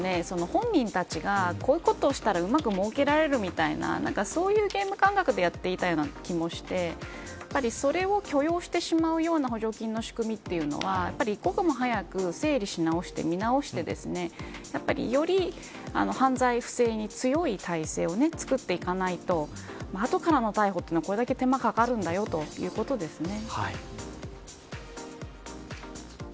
本人たちがこういうことをしたらうまくもうけられるみたいなそういうゲーム感覚でやっていた気もしてそれを許容してしまうような補助金の仕組みというのは一刻も早く整理し直して見直してより犯罪不正に強い体制を作っていかないと後からの逮捕はこれだけ手間がかかるということですね。